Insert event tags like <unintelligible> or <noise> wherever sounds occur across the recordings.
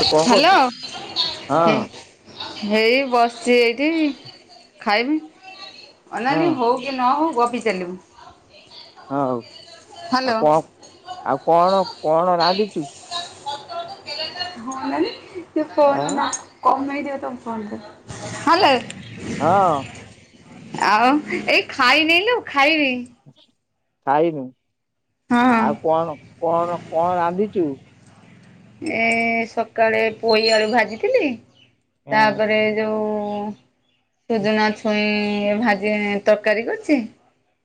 ତୁ କଣ ହାଲୋ କରୁଛୁ? ହୁଁ। ହଁ ହେଇ ବସିଛି ଏଇଠି ଖାଇବି ଅନାନୀ ହଁ ହଉ ହଉ କି ନ ହଉ ଗପି ଚାଲିବୁ। ହଁ ହ୍ୟାଲୋ। ହଉ ଆଉ କଣ ଆଉ କଣ କଣ ରାନ୍ଧିଛୁ? ହଁ ନ ଫୋନ ଆଁ ନା କମ ନେଇଯିଅ ତମ ଫୋନ <unintelligible> ହଲୋ। ହଁ। ଆଉ ଏଇ ଖାଇନଲୁ ଖାଇବି। ଖାଇନୁ ହଁ। ଆଉ କଣ କଣ କଣ ରାନ୍ଧିଚୁ? ଏ ସକାଳେ ପୋଇ ଆଳୁ ଭାଜିଥିଲି। ହଁ ତାପରେ ଯୋଉ ସୂଜୁନା। ଛୁଇଁ ଭାଜି ତରକାରୀ କରିଛି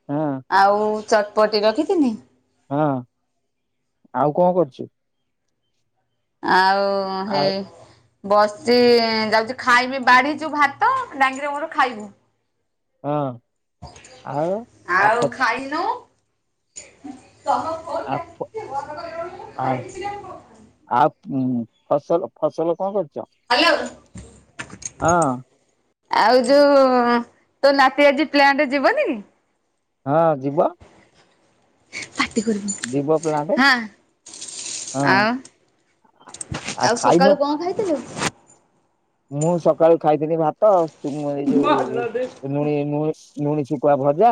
ହଁ ଆଉ। ଚଟପଟି ରଖିଥିନି। ହଁ ଆଉ କଣ କରଚୁ? ଆଉ ହେ। ଆଉ ବସଚି ଯାଉଚି ଖାଇବି ବାଢିଚୁ ଭାତ ଡାଙ୍ଗିର ମୋର ଖାଇବୁ। ହଁ। ଆଉ ଆଉ ଖାଇନୁ ତମ। ଆପ ଆ ଆ ପୁମ୍ ଫସଲ ଫସଲ କଣ କରିଛ? ହାଲୋ। ହଁ ଆଉ ଯୋଉ ତୋ ନାତି ଆଜି ପ୍ଲାଣ୍ଟେ ଯିବନି? ହଁ ଯିବ। ଯିବ ପ୍ଲାଣ୍ଟ <unintelligible> ହାଁ ହଁ ଆଉ। ଆଉ ସକାଳୁ କଣ ଖାଇଥିଲୁ? ମୁଁ ସକାଳୁ ଖାଇଥିଲି ଭାତ ଚୁମ ଏଇ ଯୋଉ ଏ ନୁଣି ମୁଁ ନୁଣୀ ଶୁଖୁଆ ଭଜା।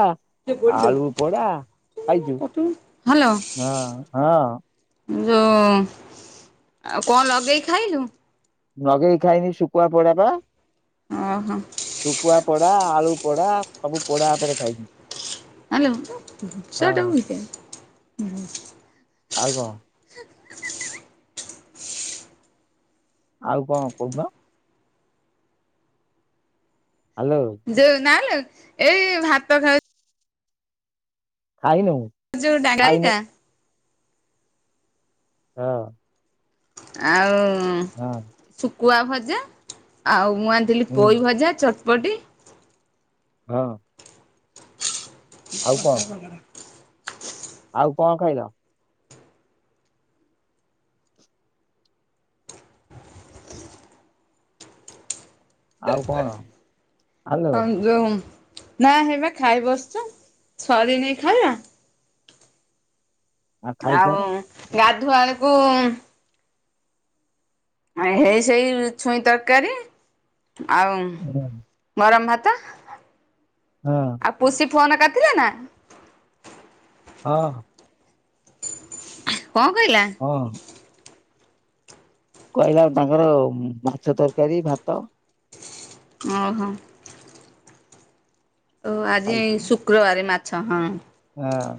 ଆଳୁ ପୋଡା ଖାଇଚୁ ହ୍ୟାଲୋ ହଁ ହଁ। ଯୋଉ ଆଉ କଣ ଲଗେଇ ଖାଇଲୁ? ନଗେଇ ଖାଇନି ଶୁଖୁଆ ପୋଡା ପା। ଓହୋ। ଶୁକୁଆ ପୋଡା ଆଳୁପୋଡା ସବୁ ପୋଡା ଉପରେ ଖାଇଛିି। ହାଲୋ ହଁ। <unintelligible> ଆଉ କଣ? ଆଉ କଣ କହୁନ? ହାଲୋ। ଯୋଉ ନାଲୋ ଏଇ ଭାତ ଖାଉ ଖାଇନୁ? ଯୋଉ <unintelligible> ଖାଇନୁ ଟା। ହଁ। ଆଉ। ହଁ। ଶୁକୁଆ ଭଜା ଆଉ ମୁଁ ଆଣଥିଲି ହୁଁ ପୋଇଭଜା ଚଟପଟି। ହଁ ହଁ। ସେ କଣ ପକା ବଲରା। ଆଉ କଣ ଖାଇଲ? ଆଉ କଣ? ହଁ ହ୍ୟାଲୋ ଯୋଉଁ ନା ହେଇବା ଖାଇ ବସଚୁ ସରିନି ଖାଇବା। ଆଉ ଗାଧୁଆଳୁକୁ। ଆଁ ହେଇ ସେଇ ଛୁଇଁ ତରକାରୀ ଆଉ। ହଁ ଗରମ୍ ଭାତ। ହଁ। ଆ ପୁଷି ଫୋନ କରିଥିଲା ନା? ହଁ। କଁ କଇଁଲା? ହଁ। କହିଲା ତାଙ୍କର ମାଛ ତରକାରି ଭାତ। ଅଁ ହଁ। ଓ ଆଜି ଖାଇଛି। ଶୁକ୍ରବାରେ ମାଛ ହଁ। ହଁ।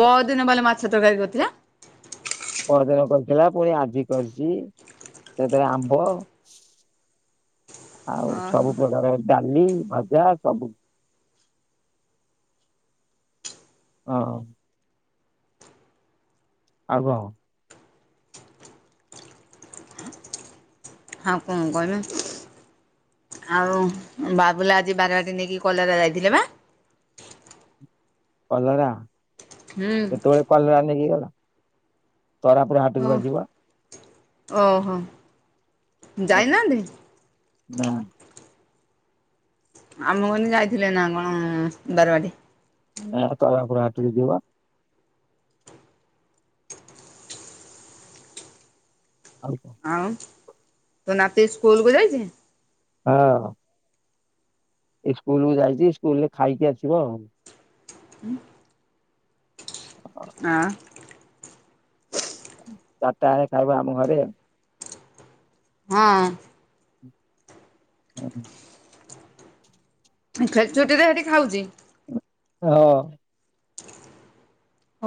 ପଅଦିନବାଲ ମାଛ ତରକାରୀ କରିଥିଲା। ପରଦିନ କରିଥିଲା ପୁଣି ଆଜି କରିଚି ସେଥିରେ ଆମ୍ବ ଆଉ ଓହୋ ସବୁ ପ୍ରକାର ଡାଲି ଭଜା ସବୁ ହଁ। ଆଉ କଁ? ଆଉ କଁ କଇମି। ଆଉ ବାବୁଲା ଆଜି ବାରବାଟୀ ନେଇକି କଲରା ଯାଇଥିଲେବା? କଲରା ହୁଁ କେତେବେଳେ କଲରା ନେଇକି ଗଲା? ତରା ପୁରୁ ଓ ହାଟକୁବା ଯିବ। ଓହୋ ଯାଇନାହାନ୍ତି? ନାଁ। ଆ ମୁକଇଁନି ଯାଇଥିଲେନା କଣ ବାରବାଟି। ନାଁ ତରାପୁର ହାଟକୁ ଯିବ। ଆଉ କଁ? ଆଉ ତ ନାତି ସ୍କୁଲକୁ ଯାଇଚି? ହଁ। ଇସ୍କୁଲକୁ ଯାଇଚି ସ୍କୁଲରେ ଖାଇକି ଆସିବ ଆଉ। ହଁ। ଚାରିଟା ବେଳେ ଖାଇବ ଆମ ଘରେ ଆଉ। ହଁ। ହୁଁ। ଖେଳ ଛୁଟିରେ ହେଟି ଖାଉଚି? ହଁ।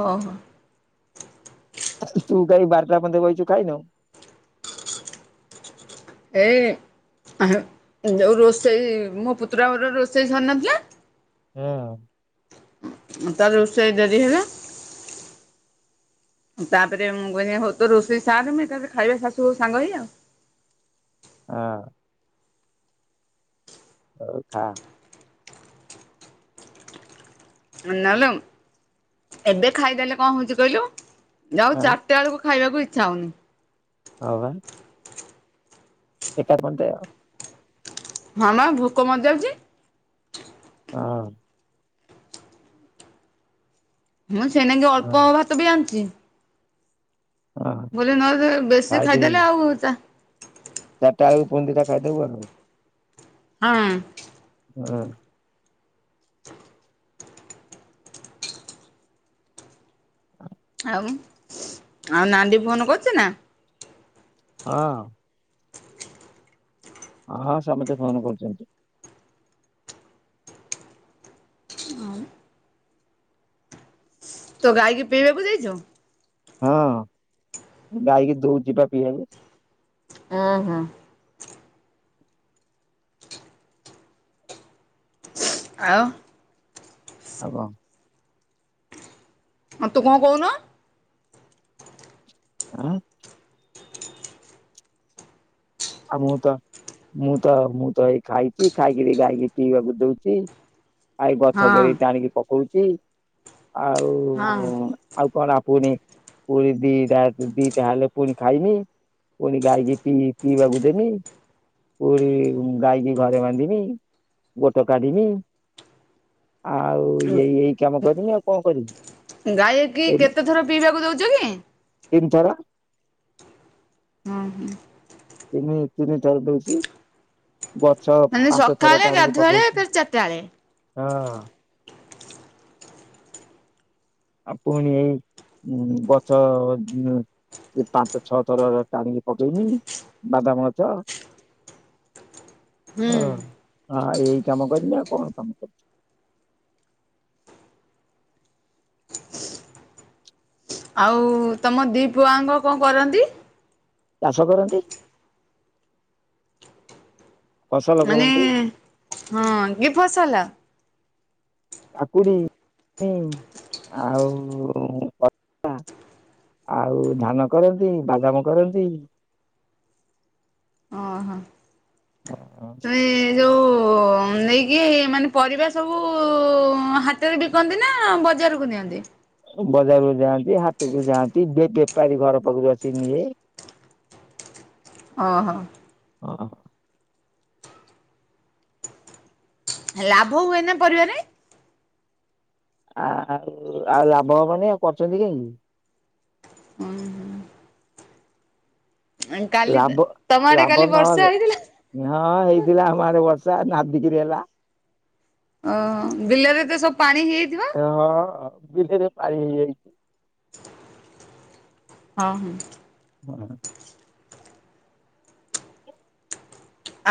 ଓହୋ। ତୁ କାଇଁ ବାରଟା ପର୍ଯ୍ୟନ୍ତ ବଇଚୁ ଖାଇନୁ? ଏଇ ଯୋଉ ରୋଷେଇ ମୋପୁତୁରା ବୋଉର ରୋଷେଇ ସରିନଥିଲା ହଁ। ତାର ରୋଷେଇ ଡେରି ହେଲା ତାପରେ ମୁଁ କହିନି ହଉତୁ ରୋଷେଇ ସାରେ ମୁଁ ଏକାଥରେ ଖାଇବା ଶାଶୁ ବୋହୁ ସାଙ୍ଗ ହେଇ ଆଉ। ହଁ। ହଉ ଖା। ନାଲୋ ଏବେ ଖାଇଦେଲେ କଁ ହଉଚି କହିଲୁ ଯଉ ହଁ ଚା ଟାବେଳକୁ ଖାଇବାକୁ ଇଚ୍ଛା ହଉନି। ହଁ ବା। ଏକା ପନ୍ତେ ଆଉ। ହଁବା ଭୋକ ମରିଯାଉଚି। ହଁ। ମୁଁ ସେଇନାଗି ହଁ ଅଳ୍ପ ଭାତବି ଆଣୁଚି। ହଁ ବୋଲି ନହଲେ ବେଶୀ ଖାଇଦେ ଖାଇଦେଲେ ଆଉ ହୋଉ ତା ଚାରିଟା ବେଳକୁ ପୁଣି ଦିଟା ଖାଇଦବୁ ଆଉ। ହଁ। ଆ ଆଉ ଆଉ ନାଣ୍ଡି ଫୋନ୍ କରୁଚି ନା? ହଁ। ହଁ ହଁ ସମସ୍ତେ ଫୋନ୍ କରୁଛନ୍ତି। ଅମ୍ ତୋ ଗାଈକି ପିଇବାକୁ ଯାଇଚୁ। ହଁ ଗାଈକି ଦଉଛି ପା ପିଇଆକୁ। ହୁଁ ହୁଁ। ଆଉ ଆଉ କଣ? ହଁ ତୁ କଣ କହୁନୁ? ଉଁ ଆଉ ମୁଁ ତ ମୁଁ ତ ମୁଁ ତ ଏଇ ଖାଇଛି ଖାଇକିରି ଗଈକି ପିଇବାକୁ ଦଉଚି। ଆଇ ଗଛ ହଁ ଗେରେ ଟାଣିକି ପକଉଛି ଆଉ ହଁ ଆଉ କଣ ପୁଣି ପୁଣି ଦିଟା ଦିଟା ହେଲେ ପୁଣି ଖାଇମି। ପୁଣି ଗାଈକି ପି ପିଇବା କୁ ଦେମି। ପୁରୀ ଗାଈକି ଘରେ ବାନ୍ଧମି ଗୋଟ କାଢ଼ିମି। ଆଉ ଏଇ ଏଇ କାମ କରମି ଆଉ କଣ କରିବି। ଗାଈ କି କେତେ ଥର ପିଇବାକୁ ଦଉଚ କି? ତିନ୍ ଥର। ହୁଁ ହୁଁ। ତିନି ତିନି ଥର ଦଉଚି। ଗଛ ମାନେ ପାଞ୍ଚ ଥର ସକାଳେ ଟାଣିକି ଗାଧୁଆଳେ ପକଉଛି ଫେରେ ଚାରିଟା ବେଳେ ହଁ। ଆଉ ପୁଣି ଏଇ ଗଛ କି ପାଞ୍ଚ ଛଅ ଥର ଟାଣିକି ପକେଇନି ବାଦାମ ଗଛ। ହୁଁ ଓ ହଁ ଏଇ କାମ କରିବି ଆଉ କଣ କାମ କର ଆଉ ତମ ଦି ପୁଅ ଆଙ୍କ କଣ କରନ୍ତି? ଚାଷ କରନ୍ତି। ଫସଲ ମାନେ କରନ୍ତି। ହଁ କି ଫସଲ? କାକୁଡି ଇଁ ଆଉ କ ଆଉ ଧାନ କରନ୍ତି ବାଦାମ କରନ୍ତି। ଓହୋ ତମେ ମାନେ ଯୋଉ ଉଁ ନେଇକି ମାନେ ପରିବା ସବୁ ହାତରେ ବିକନ୍ତି ନା ବଜାରକୁ ନିଅନ୍ତି? ବଜାରକୁ ଯାଆନ୍ତି ହାଟକୁ ଯାଆନ୍ତି ବେପାରୀ ଘର ପାଖରୁ ଆସି ନିଏ। ହଁ ହଁ। ଅଁ। ଲାଭ ହୁଏ ନା ପରିବାରେ? ଆ ଆଉ ଆଉ ଲାଭ ହବନି ଆଉ କରୁଛନ୍ତି କାହିଁକି? ଉଁ ହୁଁ। ଆଁ କାଲି ଲାଭ ତମ ଆଡେ ଲାଭ କାଲି ନହେଲେ ବର୍ଷା ହେଇଥିଲା? ହଁ ହେଇଥିଲା ଆମ ଆଡେ ବର୍ଷା ନାଦିକିରି ହେଲା। ଓହୋ ବିଲରେ ତ ସବୁ ପାଣି ହେଇଯାଇଥିବ? ହଁ ବିଲରେ ପାଣି ହେଇଯାଇଛି। ହଁ-ହଁ। ହଁ।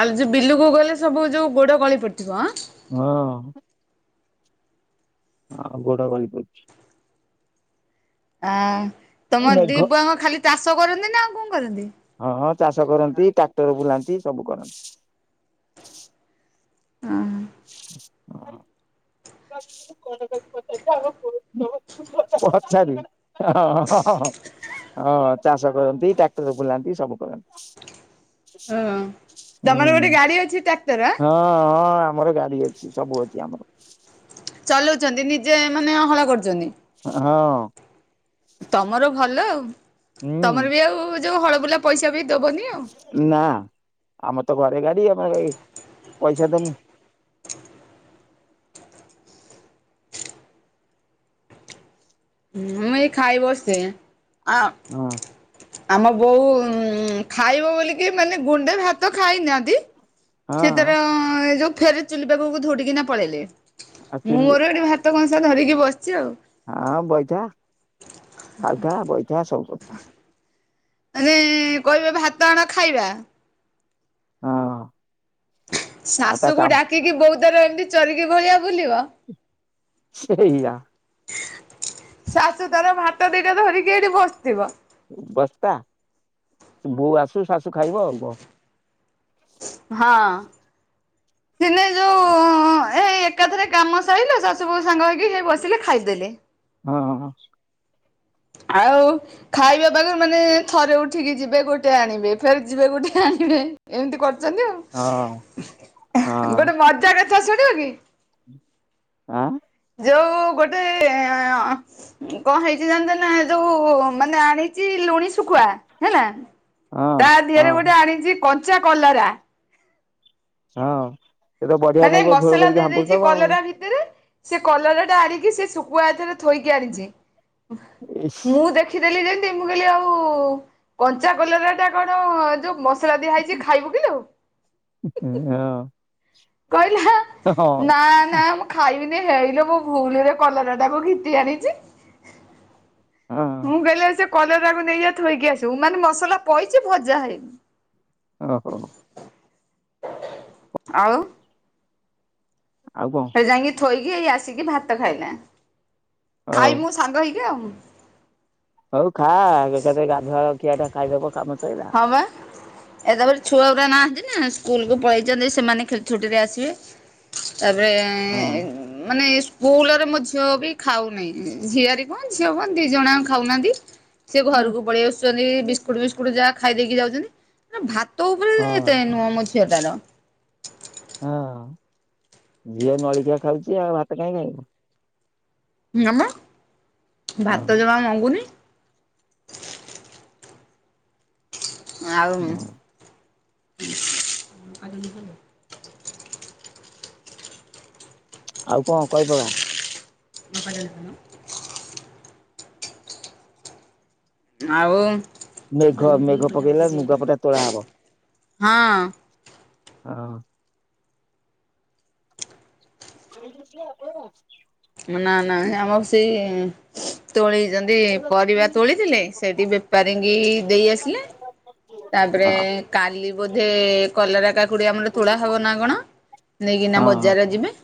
ଆଉ ଯୋଉ ବିଲୁକୁ ଗଲେ ସବୁ ଯୋଉ ଗୋଡ ଗଳି ପଡିଥିବ ଅ। ହଁ। ହଁ ଗୋଡ ଗଳି ପଡୁଚି। ଅଁ ତମ ଦି ମେଘ ପୁଅଙ୍କ ଖାଲି ଚାଷ କରନ୍ତି ନା ଆଉ କଣ କରନ୍ତି? ହଁ ହଁ ଚାଷ କରନ୍ତି ଟ୍ରାକ୍ଟର ବୁଲାନ୍ତି ସବୁ କରନ୍ତି। ହଁ। <unintelligible> <unintelligible> ପଚାର ହଁ-ହଁ-ହଁ। ହଁ ଚାଷ କରନ୍ତି ଟ୍ରାକ୍ଟର ବୁଲାନ୍ତି ସବୁ କରନ୍ତି। ହଁ ହୁଁ ତମର ଗୋଟେ ଗାଡି ଅଛି ଟ୍ରାକ୍ଟର ହଁ-ହଁ ଆମର ଗାଡି ଅଛି ସବୁ ଅଛି ଆମର। ଚଲଉଛନ୍ତି ନିଜେ ମାନେ ହଳ କରୁଛନ୍ତି। ହଁ। ତମର ଭଲ ଆଉ ହୁଁ ତମର ବି ଆଉ ଯୋଉ ହଳବୁଲା ପଇସା ବି ଦବନି ଆଉ। ନା ଆମର ତ ଘରେ ଗାଡି ଆମେ କାଇଁ ପଇସା ଦେମୁ। ହୁଁ ଏଇ ଖାଇବସେ ଆ ହଁ। ଆମ ବୋଉ ଖାଇବ ବୋଲିକି ମାନେ ଗୁଣ୍ଡେ ଭାତ ଖାଇନାହାନ୍ତି। ସେ ହଁ ତାର ଏ ଯୋଉ ଫେର ଚୁଲି ପାଖକୁ ଧୌଡିକିନା ପଳେଇଲେ ଆଉ ମୁଁ ଚୁଲି ମୋର ଏଠି ଭା ତ କଂସା ଧରିକି ବସିଛି ଆଉ। ହଁ-ହଁ ବଇଥା ଖାଉଥା ବଇଥା ସବୁ କର <inaudible> ମେ କହିବେ ଭାତ ଆଣ ଖାଇବା। ହଁ। ଆଉ ତା ଶାଶୁକୁ କାମ ଡାକିକି ବୋଉ ତାର ଏମିତି ଚରିକି ଭଳିଆ ବୁଲିବ। ସେଇଆ। ଶାଶୁ ତାର ଭାତ ଦିଟା ଧରିକି ଏଇଠି ବସିଥିବ। ବସ୍ତା ସେ ବୋଉ ଆସୁ ଶାଶୁ ଖାଇବ ଆଉ କ। ହଁ। ସିନେ ଯୋଉ ଏଇ ଏକାଥରେ କାମ ସାରିଲ ଶାଶୁ ବହୁ ସାଙ୍ଗ ହେଇକି ସେ ବସିଲେ ଖାଇଦେଲେ। ହଁ-ହଁ-ହଁ। ଆଉ ଖାଇବା ପାଖେ ମାନେ ଥରେ ଉଠିକି ଯିବେ ଗୋଟେ ଆଣିବେ ଫେର ଯିବେ ଗୋଟେ ଆଣିବେ ଏମିତି କ ଛନ୍ତି ହଁ ଆଉ ଗୋଟେ ଆଁ ମଜା କଥା ଶୁଣିବ କି? ଆଁ ଯୋଉ ଗୋଟେ କଣ ହେଇଛି ଜା ଯୋଉ ମାନେ ଆଣିଛି ଲୁଣି ଶୁଖୁଆ ହେଲା। ହଁ ତା ଦିହରେ ହଁ ଗୋଟେ ଆଣିଛି କଞ୍ଚା କଲରା। ହଁ ସେ ତ ବଢିଆ ମାନେ ନାଗିବ ଝୋଳ ମସଲା କରିକି ଦେଇ ଦେଇଛି ହାପୁଡିଥବ ଆଉ। କଲରା ସେ କଲର ଟା ଆଣିକି ସେ ଶୁଖୁଆଥରେ ଥୋଇକି ଆଣିଛି। ଇସ୍ ମୁଁ ଦେଖ ଦେଖିଦେଲି ଯେମତି ମୁଁ କହିଲି ଆଉ କଞ୍ଚା କଲରଟା କଣ ଯୋଉ ମ ସଲା ଦିଆ ହେଇଛି ଖାଇବୁ କିଲୋ। <unintelligible> କହିଲା ହଁ ନା ନା ମ ଖାଇବିନି ହେଇଲେ ମୁଁ ଭୁଲରେ କଲରା ଟାକୁ ଘିଟି ଆଣିଛି। ହଁ ମୁଁ କହିଲି ସେ କଲରାକୁ ନେଇଯା ଥୋଇକି ଆସିବୁ। ମାନେ ମସଲା ପଇଚି ଭଜା ହେଇନି। ଓହୋ ହୋ। ଆଉ ଆଉ କଣ? ସେ ଯାଇକି ଥୋଇକି ଏଇ ଆସିକି ଭାତ ଖାଇଲା ଖାଇ ହଉ। ମୁଁ ସାଙ୍ଗ ହେଇକି ଆଉ। ହଉ ଖା ଏକାଥରେ ଗାଧୁଆବେଳ ଖିଆ ଟା ଖାଇଦବ କାମ ସଇଲା। ହଁ ବା। ଏ ତାପରେ ଛୁଆ ଗୁରା ନାହାନ୍ତି ନା ସ୍କୁଲକୁ ପଳାଇଛନ୍ତି ସେମାନେ ଖେଳ ଛୁଟିରେ ଆସିବେ। ତାପରେ ହଁ। ମାନେ ସ୍କୁଲରେ ମୋ ଝିଅ ବି ଖାଉନାହିଁ। ଝିଆରି ଝିଅ ବା ଦି ଜଣ ଆକ ଖାଉନାହାନ୍ତି। ସିଏ ଘରକୁ ପଳେଇ ଆସୁଛନ୍ତି ବିସ୍କୁଟ୍ ଫିସ୍କୁଟ୍ ଯାକ ଖାଇ ଦେଇକି ଯାଉଛନ୍ତି ନା ଭାତ ଉପରେ ହଁ ଏତେ ନୁହଁ ମୋ ଝିଅଟାର। ହଁ ଝିଅ ନଳଖିଆ ଖାଉଛି ଆଉ ଭାତ କାଇଁ ଖାଇବ। ନାମ ହଁ ଭାତ ଜମା ମଗୁନି। ଆଉ ହଁ ଆଉ କଣ କଇପକା? <unintelligible> ଆଉ ମେଘ ମେଘ ପକେଇଲା ଲୁଗା ପଟା ତୋଳା ହବ। ହଁ। ହଁ। ଶୋଇକି ଉଠିଲେ ଗଧେଇବ। ନା ନା ଆମର ସେଇ ତୋଳିଛନ୍ତି ପରିବା ତୋଳି ଥିଲେ। ସେଇଠି ବେପାରୀ କି ଦେଇ ଆସିଲେ। ତାପରେ କାଲି ବୋଧେ କଲରା କାକୁଡି ଆମର ତୁଳା ହବ ନା କଣ? ନେଇକିନା ହଁ ବଜାରରେ ଯିବେ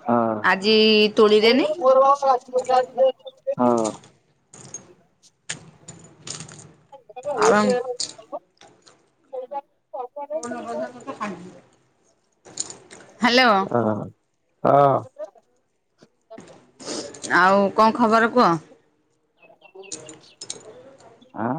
ହଁ ଆଜି ତୋଳିରେନି। <unintelligible> ଆରାମ। ହାଲୋ। ହଁ ହଁ ହଁ। ଆଉ କଣ ଖବର କୁଅ? ଆଁ।